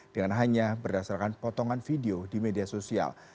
dengan hanya berdasarkan potongan video di media sosial